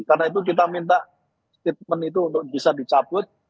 karena itu kita minta statement itu untuk bisa dicabut